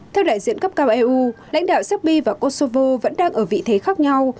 theo đại diện cấp cao eu lãnh đạo serbia và kosovo vẫn đang ở vị thế khác nhau